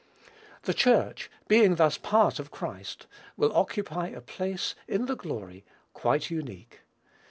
The Church, being thus part of Christ, will occupy a place, in the glory, quite unique.